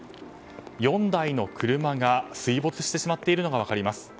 ４台の車が水没してしまっているのが分かります。